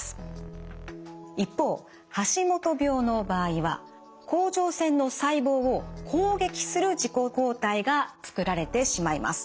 一方橋本病の場合は甲状腺の細胞を攻撃する自己抗体が作られてしまいます。